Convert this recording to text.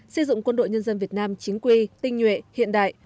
xây dựng quân đội nhân dân việt nam chính quy tinh nhuệ hiện đại